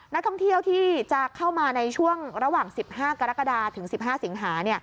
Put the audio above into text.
นักท่องเที่ยวที่จะเข้ามาในช่วงระหว่าง๑๕กรกฎาถึง๑๕สิงหา